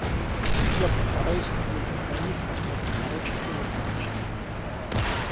Я постараюсь ответить на них как можно короче и лаконичнее.